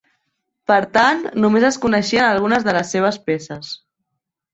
Per tant, només es coneixien algunes de les seves peces.